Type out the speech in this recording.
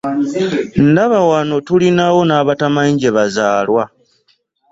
Ndaba wano tulinawo nabatamanyi gye bazaalwa.